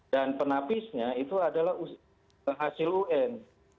penapisnya itu adalah hasil un